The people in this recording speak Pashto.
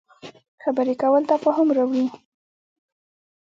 خبرې کول تفاهم راوړي